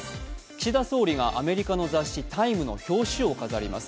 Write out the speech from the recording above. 岸田総理がアメリカの雑誌「タイム」の表紙を飾ります。